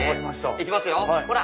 行きますよほら！